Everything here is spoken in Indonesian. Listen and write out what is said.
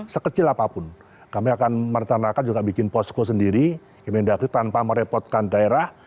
sekecil apapun kami akan merencanakan juga bikin posko sendiri kemendagri tanpa merepotkan daerah